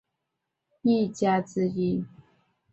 与美空云雀被视为日本战后最具代表性的演艺家之一。